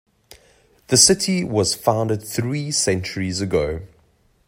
The city was founded three centuries ago.